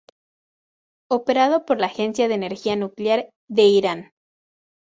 Operado por la Agencia de Energía Nuclear de Irán.